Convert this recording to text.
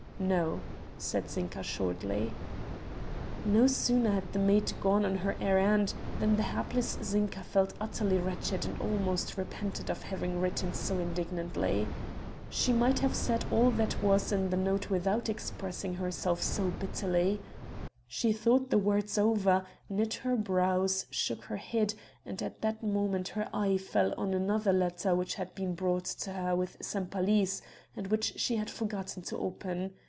"No," said Zinka shortly. No sooner had the maid gone on her errand than the hapless Zinka felt utterly wretched and almost repented of having written so indignantly... She might have said all that was in the note without expressing herself so bitterly. She thought the words over, knit her brows, shook her head and at that moment her eye fell on another letter which had been brought to her with Sempaly's, and which she had forgotten to open.